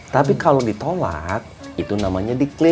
tapi kalau ditolak itu namanya diklaim